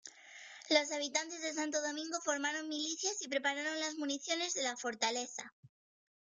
Los habitantes de Santo Domingo formaron milicias y prepararon las municiones de la fortaleza.